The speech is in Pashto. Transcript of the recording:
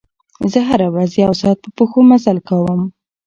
زه هره ورځ یو ساعت په پښو مزل کوم.